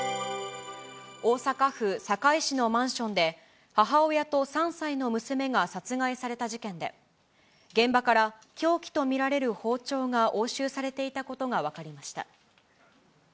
大阪府堺市のマンションで、母親と３歳の娘が殺害された事件で、現場から凶器と見られる包丁が押収されていたことが分かりました。